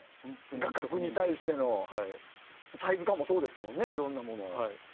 画角に対してのサイズ感もそうですもんね。